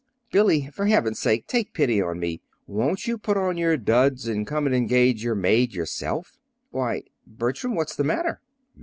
"Billy, for heaven's sake, take pity on me. Won't you put on your duds and come and engage your maid yourself?" "Why, Bertram, what's the matter?"